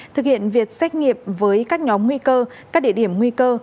thực hiện việc xét nghiệm với các nhóm nguy cơ các địa điểm nguy cơ